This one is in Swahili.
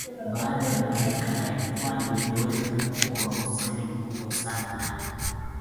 Baada ya Marekani kwani imeweza kuwa usemi mkubwa sana na